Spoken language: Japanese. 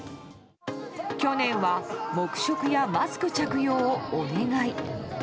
去年は黙食やマスク着用をお願い。